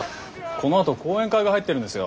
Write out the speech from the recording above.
このあと講演会が入ってるんですよ。